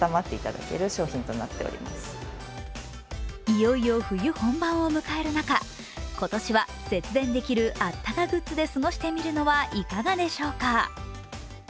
いよいよ冬本番を迎える中、今年は節電できるあったかグッズで過ごしてみるのはいかがでしょうか？